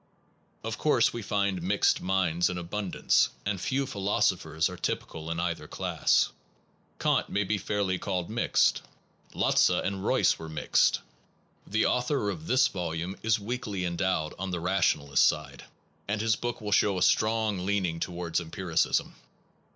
Of course we find mixed minds in abundance, and few philosophers are typical in either class. Kant may fairly be called mixed. Lotze and Royce are mixed. The author of this volume is weakly endowed on the rationalist side, and his book will show a strong leaning towards empiricism.